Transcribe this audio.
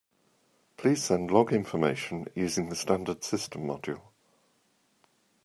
Please send log information using the standard system module.